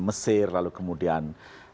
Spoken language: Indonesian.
mesir lalu kemudian